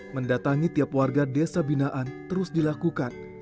mendatangi tiap warga desa binaan terus dilakukan